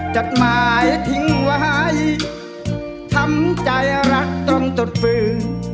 จดหมายทิ้งไว้ทำใจรักต้องตดฟื้น